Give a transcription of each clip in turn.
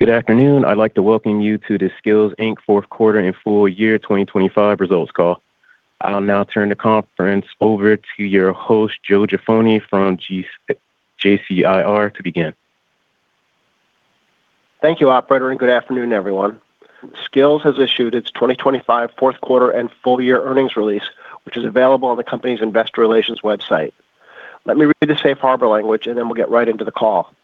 Good afternoon. I'd like to welcome you to the Skillz Inc. fourth quarter and full-year 2025 results call. I'll now turn the conference over to your host, Joe Jaffoni from JCIR to begin. Thank you, operator, and good afternoon, everyone. Skillz has issued its 2025 fourth quarter and full-year earnings release, which is available on the company's investor relations website. Let me read the safe harbor language, and then we'll get right into the call.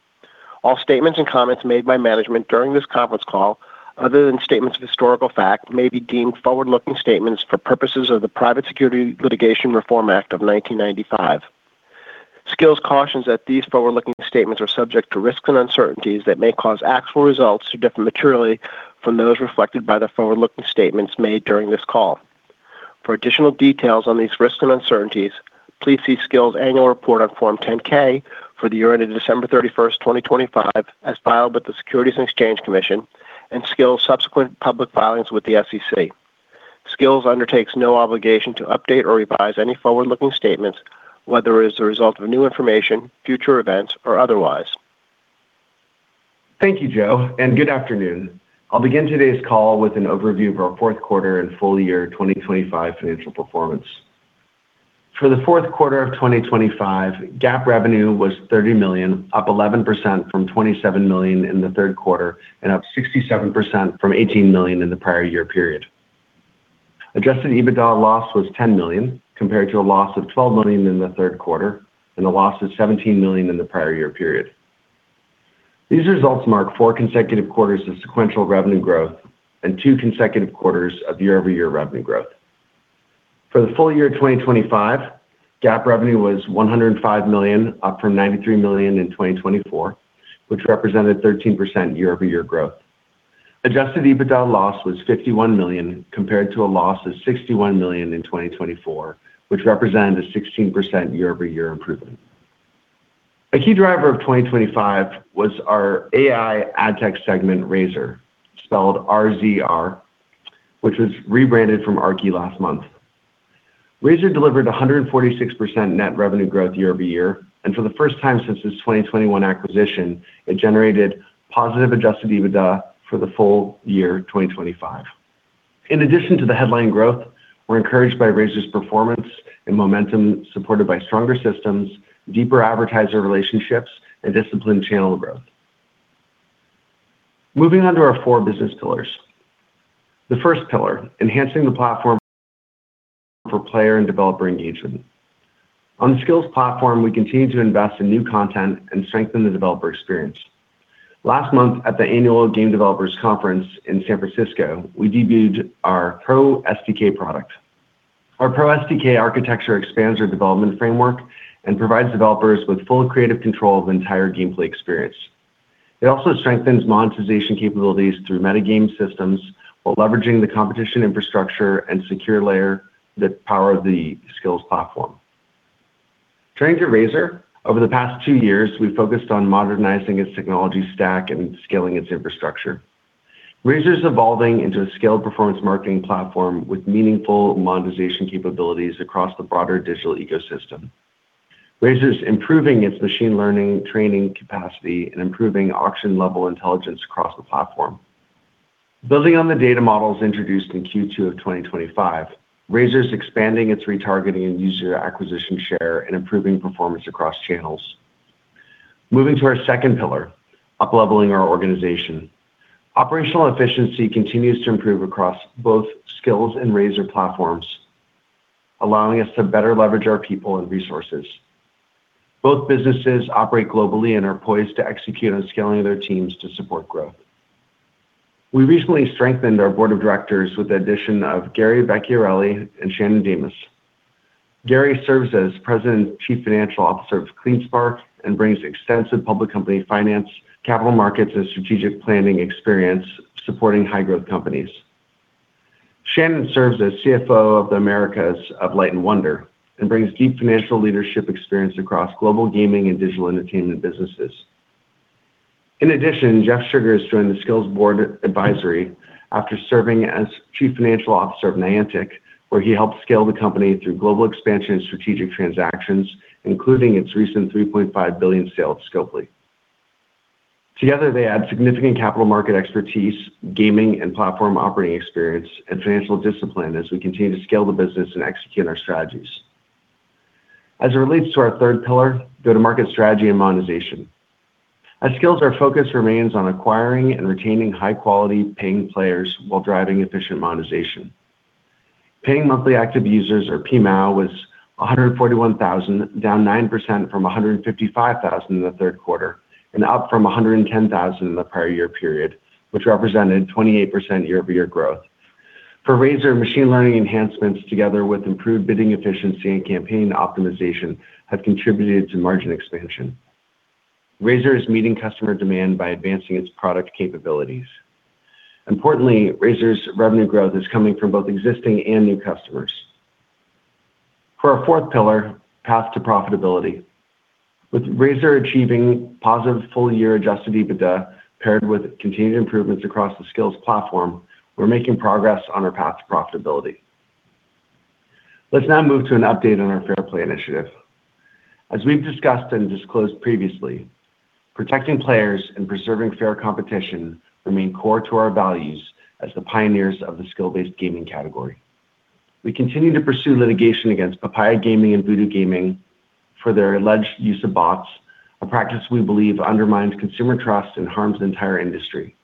All statements and comments made by management during this conference call, other than statements of historical fact, may be deemed forward-looking statements for purposes of the Private Securities Litigation Reform Act of 1995. Skillz cautions that these forward-looking statements are subject to risks and uncertainties that may cause actual results to differ materially from those reflected by the forward-looking statements made during this call. For additional details on these risks and uncertainties, please see Skillz annual report on Form 10-K for the year ended December 31, 2025, as filed with the Securities and Exchange Commission and Skillz subsequent public filings with the SEC. Skillz undertakes no obligation to update or revise any forward-looking statements, whether as a result of new information, future events, or otherwise. Thank you, Joe, and good afternoon. I'll begin today's call with an overview of our fourth quarter and full-year 2025 financial performance. For the fourth quarter of 2025, GAAP revenue was $30 million, up 11% from $27 million in the third quarter and up 67% from $18 million in the prior year period. Adjusted EBITDA loss was $10 million, compared to a loss of $12 million in the third quarter and a loss of $17 million in the prior year period. These results mark four consecutive quarters of sequential revenue growth and two consecutive quarters of year-over-year revenue growth. For the full-year 2025, GAAP revenue was $105 million, up from $93 million in 2024, which represented 13% year-over-year growth. Adjusted EBITDA loss was $51 million, compared to a loss of $61 million in 2024, which represented a 16% year-over-year improvement. A key driver of 2025 was our AI ad tech segment, RZR, spelled R-Z-R, which was rebranded from Aarki last month. RZR delivered 146% net revenue growth year-over-year, and for the first time since its 2021 acquisition, it generated positive adjusted EBITDA for the full-year 2025. In addition to the headline growth, we're encouraged by RZR's performance and momentum supported by stronger systems, deeper advertiser relationships, and disciplined channel growth. Moving on to our four business pillars, the first pillar, enhancing the platform for player and developer engagement. On the Skillz platform, we continue to invest in new content and strengthen the developer experience. Last month, at the Annual Game Developers Conference in San Francisco, we debuted our Pro SDK product. Our Pro SDK architecture expands our development framework and provides developers with full creative control of the entire gameplay experience. It also strengthens monetization capabilities through meta-game systems while leveraging the competition infrastructure and secure layer that power the Skillz platform. Turning to RZR, over the past two years, we've focused on modernizing its technology stack and scaling its infrastructure. RZR is evolving into a scaled performance marketing platform with meaningful monetization capabilities across the broader digital ecosystem. RZR is improving its machine learning training capacity and improving auction-level intelligence across the platform. Building on the data models introduced in Q2 of 2025, RZR is expanding its retargeting and user acquisition share and improving performance across channels. Moving to our second pillar, upleveling our organization. Operational efficiency continues to improve across both Skillz and RZR platforms, allowing us to better leverage our people and resources. Both businesses operate globally and are poised to execute on scaling their teams to support growth. We recently strengthened our board of directors with the addition of Gary Vecchiarelli and Shannon Demus. Gary serves as President and Chief Financial Officer of CleanSpark and brings extensive public company finance, capital markets, and strategic planning experience supporting high-growth companies. Shannon serves as CFO of the Americas of Light & Wonder and brings deep financial leadership experience across global gaming and digital entertainment businesses. In addition, Jeff Shouger has joined the Skillz board advisory after serving as Chief Financial Officer of Niantic, where he helped scale the company through global expansion and strategic transactions, including its recent $3.5 billion sale to Scopely. Together, they add significant capital market expertise, gaming and platform operating experience, and financial discipline as we continue to scale the business and execute our strategies. As it relates to our third pillar, go-to-market strategy and monetization. At Skillz, our focus remains on acquiring and retaining high-quality paying players while driving efficient monetization. Paying monthly active users or PMAU was 141,000, down 9% from 155,000 in the third quarter and up from 110,000 in the prior year period, which represented 28% year-over-year growth. For RZR, machine learning enhancements, together with improved bidding efficiency and campaign optimization, have contributed to margin expansion. RZR is meeting customer demand by advancing its product capabilities. Importantly, RZR's revenue growth is coming from both existing and new customers. For our fourth pillar, path to profitability. With RZR achieving positive full-year adjusted EBITDA paired with continued improvements across the Skillz platform, we're making progress on our path to profitability. Let's now move to an update on our fair play initiative. As we've discussed and disclosed previously, protecting players and preserving fair competition remain core to our values as the pioneers of the skill-based gaming category. We continue to pursue litigation against Papaya Gaming and Voodoo for their alleged use of bots, a practice we believe undermines consumer trust and harms the entire industry.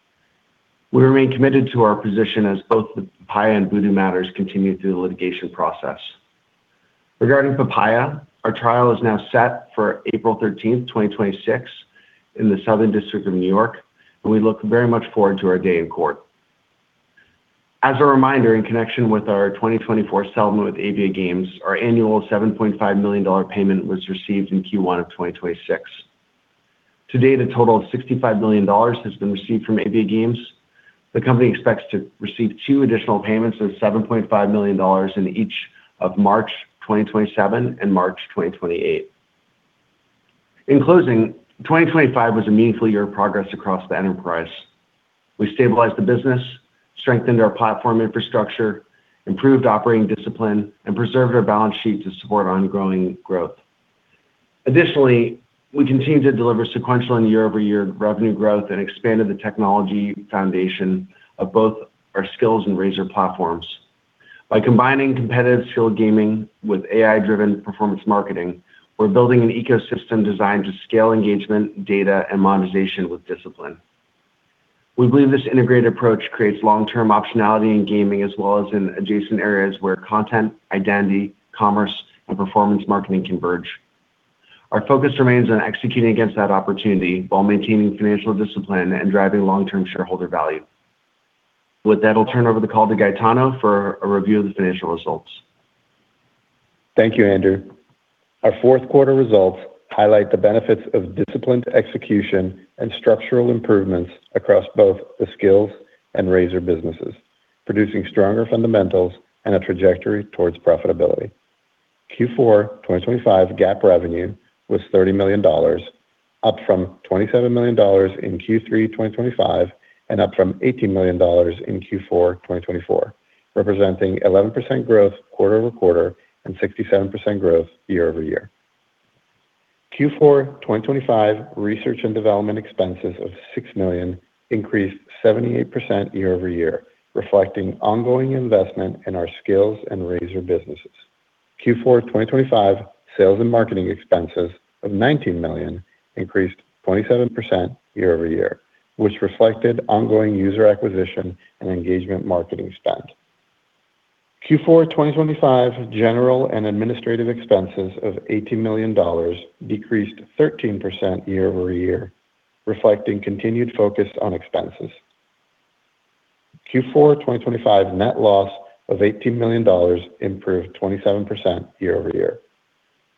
We remain committed to our position as both the Papaya and Voodoo matters continue through the litigation process. Regarding Papaya, our trial is now set for April 13, 2026 in the Southern District of New York, and we look very much forward to our day in court. As a reminder, in connection with our 2024 settlement with AviaGames, our annual $7.5 million payment was received in Q1 of 2026. To date, a total of $65 million has been received from AviaGames. The company expects to receive two additional payments of $7.5 million in each of March 2027 and March 2028. In closing, 2025 was a meaningful year of progress across the enterprise. We stabilized the business, strengthened our platform infrastructure, improved operating discipline, and preserved our balance sheet to support ongoing growth. Additionally, we continue to deliver sequential and year-over-year revenue growth and expanded the technology foundation of both our Skillz and RZR platforms. By combining competitive skill gaming with AI-driven performance marketing, we're building an ecosystem designed to scale engagement, data, and monetization with discipline. We believe this integrated approach creates long-term optionality in gaming as well as in adjacent areas where content, identity, commerce, and performance marketing converge. Our focus remains on executing against that opportunity while maintaining financial discipline and driving long-term shareholder value. With that, I'll turn over the call to Gaetano for a review of the financial results. Thank you, Andrew. Our fourth quarter results highlight the benefits of disciplined execution and structural improvements across both the Skillz and RZR businesses, producing stronger fundamentals and a trajectory towards profitability. Q4 2025 GAAP revenue was $30 million, up from $27 million in Q3 2025 and up from $18 million in Q4 2024, representing 11% growth quarter-over-quarter and 67% growth year-over-year. Q4 2025 research and development expenses of $6 million increased 78% year-over-year, reflecting ongoing investment in our Skillz and RZR businesses. Q4 2025 sales and marketing expenses of $19 million increased 27% year-over-year, which reflected ongoing user acquisition and engagement marketing spend. Q4 2025 general and administrative expenses of $80 million decreased 13% year-over-year, reflecting continued focus on expenses. Q4 2025 net loss of $18 million improved 27% year-over-year.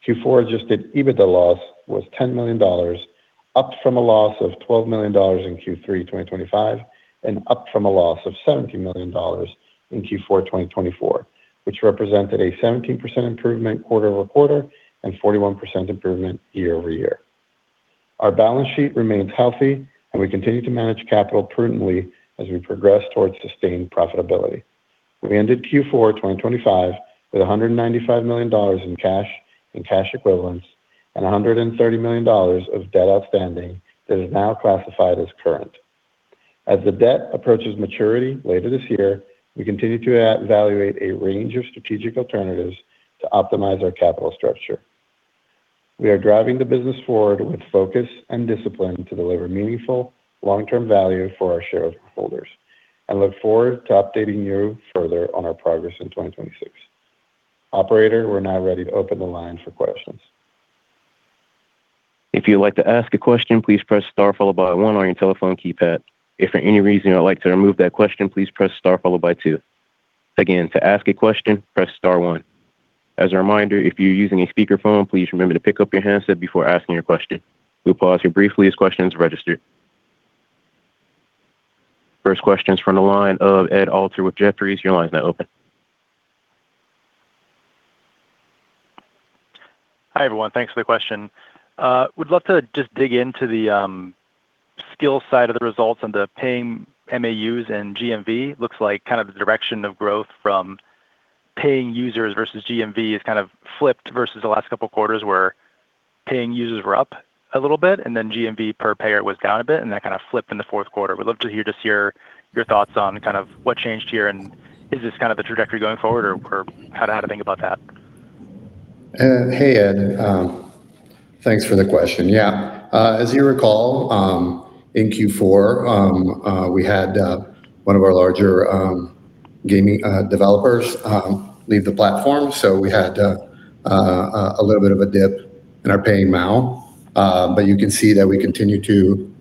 Q4 adjusted EBITDA loss was $10 million, up from a loss of $12 million in Q3 2025 and up from a loss of $17 million in Q4 2024, which represented a 17% improvement quarter-over-quarter and 41% improvement year-over-year. Our balance sheet remains healthy, and we continue to manage capital prudently as we progress towards sustained profitability. We ended Q4 2025 with $195 million in cash and cash equivalents and $130 million of debt outstanding that is now classified as current. As the debt approaches maturity later this year, we continue to evaluate a range of strategic alternatives to optimize our capital structure. We are driving the business forward with focus and discipline to deliver meaningful long-term value for our shareholders and look forward to updating you further on our progress in 2026. Operator, we're now ready to open the line for questions. If you'd like to ask a question, please press star followed by one on your telephone keypad. If for any reason you would like to remove that question, please press star followed by two. Again, to ask a question, press star one. As a reminder, if you're using a speakerphone, please remember to pick up your handset before asking your question. We'll pause here briefly as questions register. First question's from the line of Ed Alter with Jefferies. Your line is now open. Hi, everyone. Thanks for the question. Would love to just dig into the skill side of the results and the paying MAUs and GMV. Looks like kind of the direction of growth from paying users versus GMV has kind of flipped versus the last couple of quarters where paying users were up a little bit and then GMV per payer was down a bit, and that kind of flipped in the fourth quarter. Would love to hear just your thoughts on kind of what changed here and is this kind of the trajectory going forward or how to think about that. Hey, Ed. Thanks for the question. Yeah. As you recall, in Q4, we had one of our larger gaming developers leave the platform. So we had a little bit of a dip in our paying MAU. But you can see that we continue to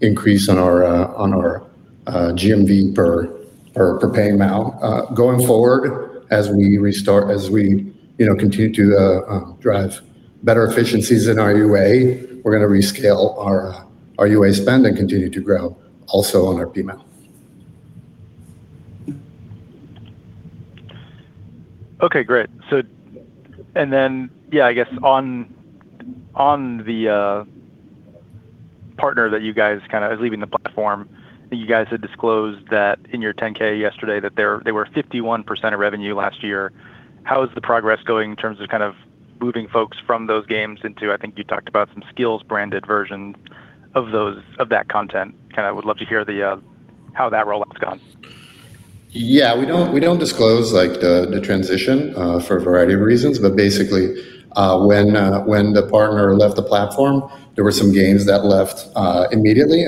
increase on our GMV per paying MAU. Going forward, as we, you know, continue to drive better efficiencies in our UA, we're gonna rescale our UA spend and continue to grow also on our PMAU. Okay, great. Yeah, I guess on the partner that you guys kind of was leaving the platform, you guys had disclosed that in your 10-K yesterday that they were 51% of revenue last year. How is the progress going in terms of kind of moving folks from those games into, I think you talked about some Skillz-branded versions of that content. Kind of would love to hear how that rollout's gone. Yeah. We don't disclose, like, the transition for a variety of reasons. Basically, when the partner left the platform, there were some games that left immediately.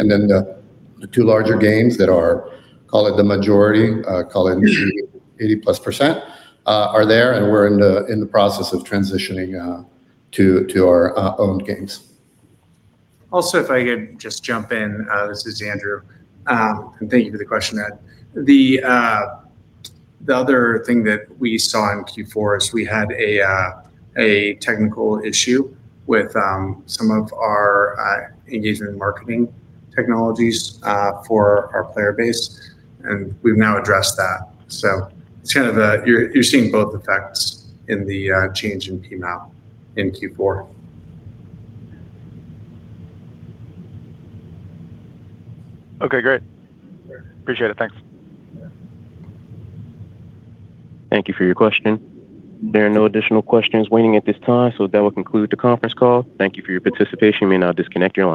The two larger games that are call it the majority, call it 80%+, are there, and we're in the process of transitioning to our own games. Also, if I could just jump in, this is Andrew. Thank you for the question, Ed. The other thing that we saw in Q4 is we had a technical issue with some of our engagement and marketing technologies for our player base, and we've now addressed that. It's kind of. You're seeing both effects in the change in PMAU in Q4. Okay, great. Appreciate it. Thanks. Thank you for your question. There are no additional questions waiting at this time, so that will conclude the conference call. Thank you for your participation. You may now disconnect your line.